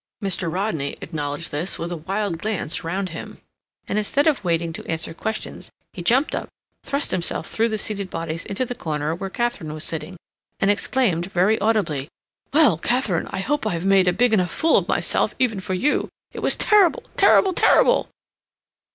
Mr. Rodney acknowledged this with a wild glance round him, and, instead of waiting to answer questions, he jumped up, thrust himself through the seated bodies into the corner where Katharine was sitting, and exclaimed, very audibly: "Well, Katharine, I hope I've made a big enough fool of myself even for you! It was terrible! terrible! terrible!"